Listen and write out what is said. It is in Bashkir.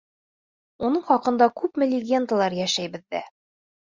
Уның хаҡында күпме легендалар йәшәй беҙҙә.